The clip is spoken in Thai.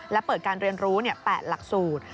และเปิดการเรียนรู้๘หลักสูตร